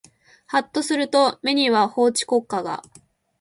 はっとすると目には法治国家が